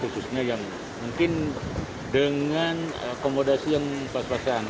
khususnya yang mungkin dengan akomodasi yang pas pasan